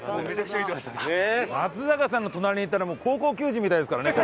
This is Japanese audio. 松坂さんの隣にいたらもう高校球児みたいですからね。